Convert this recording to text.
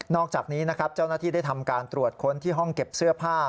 อกจากนี้นะครับเจ้าหน้าที่ได้ทำการตรวจค้นที่ห้องเก็บเสื้อผ้า